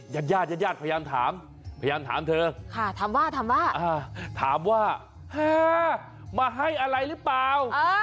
ญาติยาตรพยายามถามเธอถามว่ามาให้อะไรหรือเปล่า